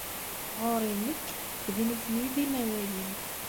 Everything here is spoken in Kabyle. Ɣer-i nekk, d nitni ay d imawayen.